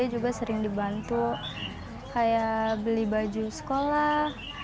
saya juga sering dibantu dengan membeli baju sekolah